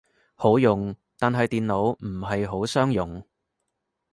好用，但係電腦唔係好相容